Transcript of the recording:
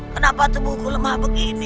kenapa tubuhku lemah begini